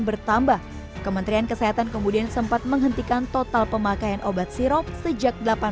bertambah kementerian kesehatan kemudian sempat menghentikan total pemakaian obat sirup sejak delapan belas